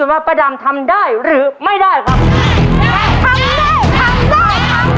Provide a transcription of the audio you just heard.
หัวหนึ่งหัวหนึ่ง